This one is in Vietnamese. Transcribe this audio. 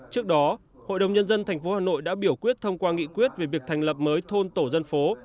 trước đó hội đồng nhân dân tp hà nội đã biểu quyết thông qua nghị quyết về việc thành lập mới thôn tổ dân phố